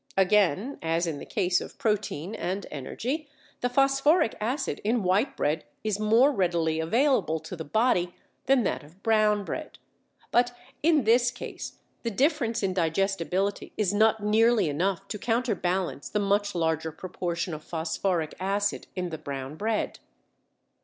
Again, as in the case of protein and energy, the phosphoric acid in white bread is more readily available to the body than that of brown bread, but in this case the difference in digestibility is not nearly enough to counterbalance the much larger proportion of phosphoric acid in the brown bread.